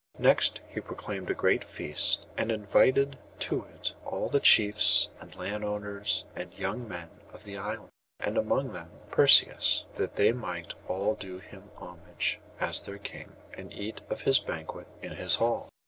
Next he proclaimed a great feast, and invited to it all the chiefs, and landowners, and the young men of the island, and among them Perseus, that they might all do him homage as their king, and eat of his banquet in his hall.